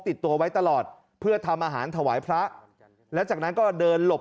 ติดตัวไว้ตลอดเพื่อทำอาหารถวายพระแล้วจากนั้นก็เดินหลบ